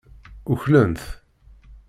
Uklen-t.